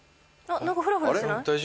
何かフラフラしてない？